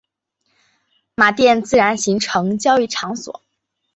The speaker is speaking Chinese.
马甸自然形成交易市场。